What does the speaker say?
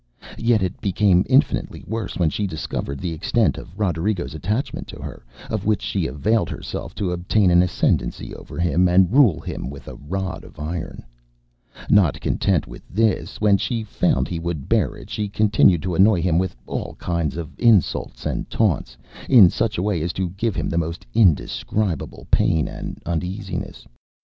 Yet it became infinitely worse when she discovered the extent of RoderigoŌĆÖs attachment to her, of which she availed herself to obtain an ascendancy over him and rule him with a rod of iron. Not content with this, when she found he would bear it, she continued to annoy him with all kinds of insults and taunts, in such a way as to give him the most indescribable pain and uneasiness.